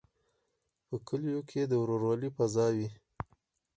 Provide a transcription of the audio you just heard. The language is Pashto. په کلیو کې د ورورولۍ فضا وي.